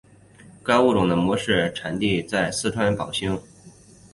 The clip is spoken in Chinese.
该物种的模式产地在四川宝兴。